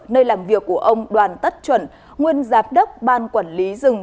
nơi làm việc của ông đoàn tất chuẩn nguyên giám đốc ban quản lý rừng